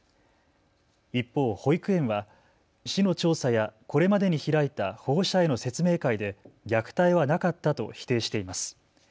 一方、保育園は市の調査やこれまでに開いた保護者への説明会で虐待はなかったと否定しています。